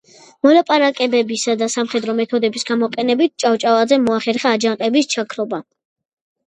მოლაპარაკებებისა და სამხედრო მეთოდების გამოყენებით ჭავჭავაძემ მოახერხა აჯანყების ჩაქრობა.